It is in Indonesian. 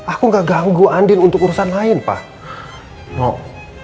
aku gak ganggu andin untuk urusan lain pak nok